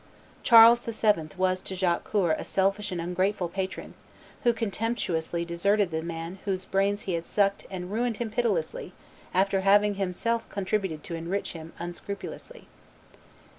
Charles VII. was to Jacques Coeur a selfish and ungrateful patron, who contemptuously deserted the man whose brains he had sucked, and ruined him pitilessly after having himself contributed to enrich him unscrupulously.